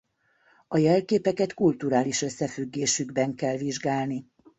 A jelképeket kulturális összefüggésükben kell vizsgálni.